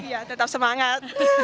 iya tetap semangat